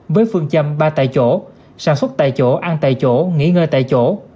với phương châm ba tại chỗ sản xuất tại chỗ ăn tại chỗ nghỉ ngơi tại chỗ